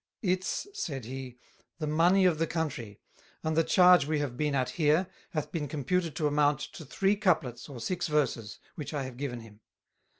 "It's," said he, "the Money of the Country, and the charge we have been at here, hath been computed to amount to Three Couplets, or Six Verses, which I have given him.